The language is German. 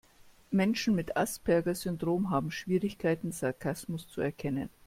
Menschen mit Asperger-Syndrom haben Schwierigkeiten, Sarkasmus zu erkennen.